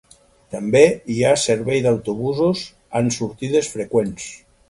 També hi ha servei d'autobusos amb sortides freqüents.